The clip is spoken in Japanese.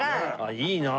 いいなあ。